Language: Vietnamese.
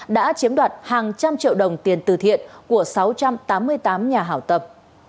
đã chiếm đoạt hàng trăm triệu đồng tiền từ thiện của sáu trăm tám mươi tám nhà hảo tâm